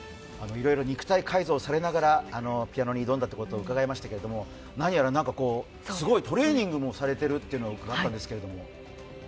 肉体改造をされながらピアノに挑んだと伺いましたけど何やらすごいトレーニングもされているというのを伺ったんですけど。